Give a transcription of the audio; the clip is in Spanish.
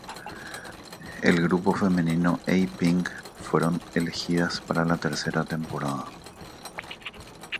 El grupo femenino A Pink fueron elegidas para la tercera temporada.